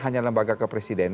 hanya lembaga kepresiden